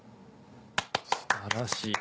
素晴らしい。